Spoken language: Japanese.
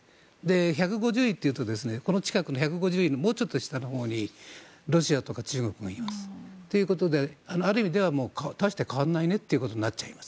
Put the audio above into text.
１５０位というとこの近くの１５０位はもう少し下のほうにロシアとか中国がいます。ということで、ある意味では大して変わらないねということになっちゃいます。